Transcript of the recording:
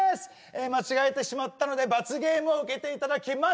間違えてしまったので罰ゲームを受けていただきます